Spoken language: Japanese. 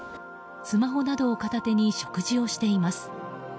スマホなどを片手に食事をしています。